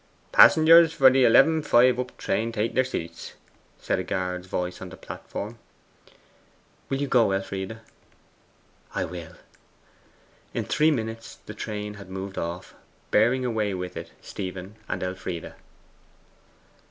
'Passengers for the 11.5 up train take their seats!' said a guard's voice on the platform. 'Will you go, Elfride?' 'I will.' In three minutes the train had moved off, bearing away with it Stephen and Elfride.